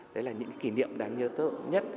đấy là những kỷ niệm đáng nhớ tốt nhất